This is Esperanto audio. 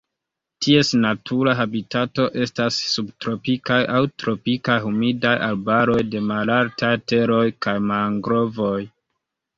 Ties natura habitato estas subtropikaj aŭ tropikaj humidaj arbaroj de malaltaj teroj kaj mangrovoj.